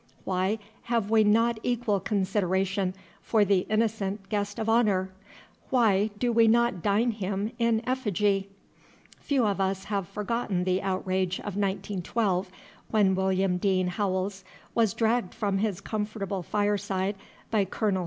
Why have we not equal consideration for the innocent Guest of Honor? Why do we not dine him in effigy? Few of us have forgotten the outrage of 1912 when William Dean Howells was dragged from his comfortable fireside by Col.